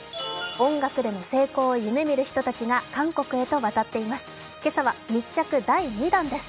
音楽での成功を夢見る人たちが韓国へと渡っています。